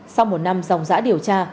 sau một năm dòng giã điều tra